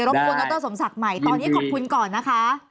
บูรณดรสมศักดิ์ใหม่ตอนนี้ขอบคุณก่อนนะคะ